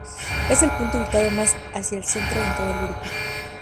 Es el punto ubicado más hacia el centro en todo el grupo.